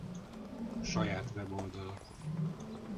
Saját weboldala